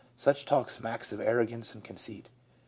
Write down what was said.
Such talk smacks of arrogance and conceit.